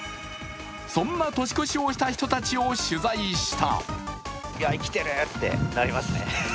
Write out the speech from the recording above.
そんな年越しをした人たちを取材した。